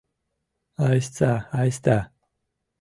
Айста, айста!